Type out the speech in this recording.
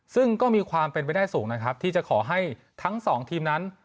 ซึ่งก็มีความเป็นไปได้สูงนะครับที่จะขอให้ทั้งสองทีมนั้น